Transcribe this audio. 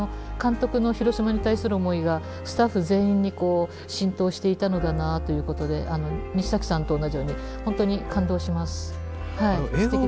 監督の広島に対する思いがスタッフ全員に浸透していたのだなということで西さんと同じように本当に感動します。